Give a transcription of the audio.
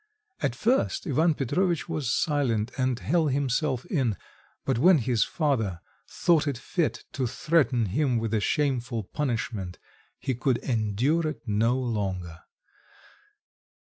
At first Ivan Petrovitch was silent and held himself in, but when his father thought to fit to threaten him with a shameful punishment he could endure it no longer.